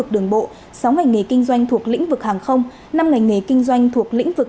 một đường bộ sáu ngành nghề kinh doanh thuộc lĩnh vực hàng không năm ngành nghề kinh doanh thuộc lĩnh vực